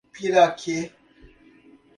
Piraquê